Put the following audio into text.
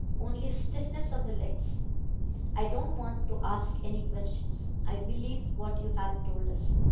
"Only stiffness of the legs. I don't want to ask any questions. I believe what you have told us.